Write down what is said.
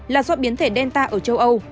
là do biến thể delta ở châu âu